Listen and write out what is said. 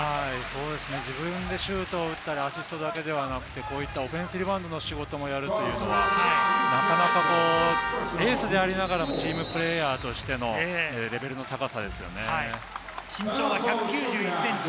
自分でシュートを打って、アシストだけではなくてオフェンスリバウンドの仕事もやるというのはなかなかエースでありながら、チームプレーヤーとしての身長は１９１ｃｍ。